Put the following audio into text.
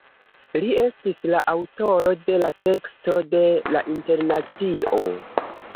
Li estis la aŭtoro de la teksto de "La Internacio".